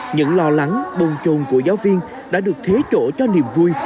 những lo lắng bồn trồn của giáo viên đã được thế chỗ cho niềm vui